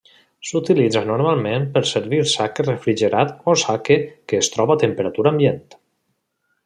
S’utilitza normalment per servir sake refrigerat o sake que es troba a temperatura ambient.